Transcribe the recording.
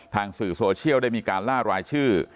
สื่อโซเชียลได้มีการล่ารายชื่อ